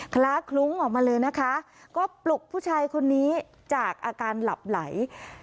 คล้าคลุ้งออกมาเลยนะคะก็ปลุกผู้ชายคนนี้จากอาการหลับไหล